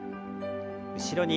後ろに。